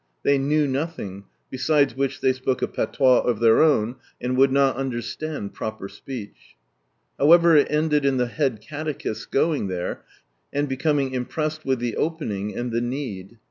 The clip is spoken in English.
They knew nothing, besides which they spoke a patois of their own, and would not understand proper speech. However, it ended in the head catechisl's going there, and becoming impressed with the opening, and the need.